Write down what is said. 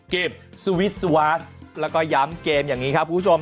เกมสวิสวาสแล้วก็ย้ำเกม